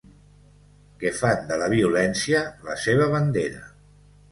Que fan de la violència la seva bandera.